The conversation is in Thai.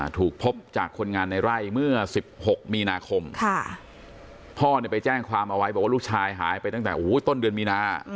ถูกพบจากคนงานในไร่เมื่อ๑๖มีนาคมพ่อไปแจ้งความเอาไว้บอกว่าลูกชายหายไปตั้งแต่ต้นเดือนมีนา